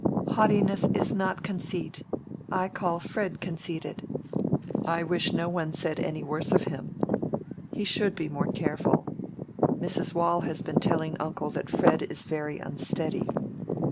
"Haughtiness is not conceit; I call Fred conceited." "I wish no one said any worse of him. He should be more careful. Mrs. Waule has been telling uncle that Fred is very unsteady."